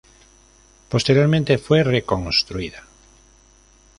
Posteriormente, fue reconstruida.